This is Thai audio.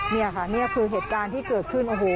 นี่ค่ะนี่คือเหตุการณ์ที่เกิดขึ้นโอ้โห